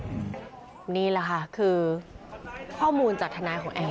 นี่แหละค่ะคือข้อมูลจากทนายของแอม